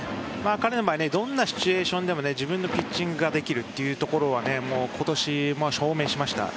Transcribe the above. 彼の場合どんなシチュエーションでも自分のピッチングができるというところは今年、証明しました。